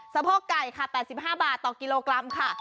สะพอกไก่๘๕บาทต่อกิโลกรัมค่ะ